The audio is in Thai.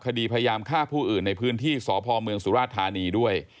พยายามฆ่าผู้อื่นในพื้นที่สพเมืองสุราชธานีด้วย